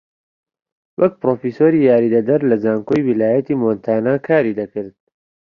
وەک پرۆفیسۆری یاریدەدەر لە زانکۆی ویلایەتی مۆنتانا کاری دەکرد